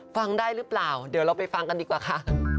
ฟังได้หรือเปล่าเดี๋ยวเราไปฟังกันดีกว่าค่ะ